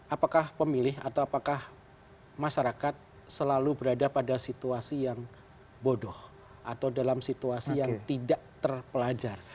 apakah pemilih atau apakah masyarakat selalu berada pada situasi yang bodoh atau dalam situasi yang tidak terpelajar